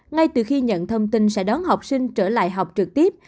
ngay từ khi nhận thông tin sẽ đón học sinh trở lại học trực tiếp